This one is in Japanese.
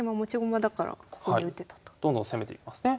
どんどん攻めていきますね。